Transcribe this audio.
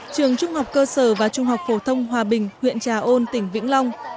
trường trung học cơ sở và trung học phổ thông hòa bình huyện trà ôn tỉnh vĩnh long